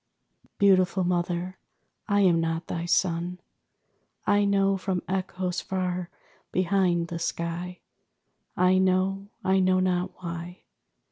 Beautiful Mother, I am not thy son. I know from echoes far behind the sky. I know; I know not why.